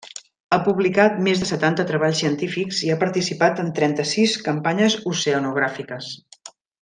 Ha publicat més de setanta treballs científics i ha participat en trenta-sis campanyes oceanogràfiques.